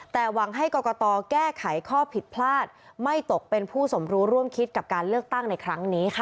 แต่หวังให้กรกตแก้ไขข้อผิดพลาดไม่ตกเป็นผู้สมรู้ร่วมคิดกับการเลือกตั้งในครั้งนี้ค่ะ